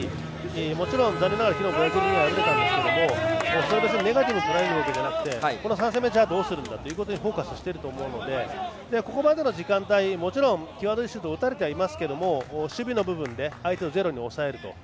もちろん、残念ながら昨日はブラジルに敗れたんですけどネガティブになるわけじゃなくて３戦目でどうするんだということにフォーカスしていると思うのでここまでの時間帯もちろん際どいシュートは打たれてはいますけれども守備の部分で相手をゼロに抑えると。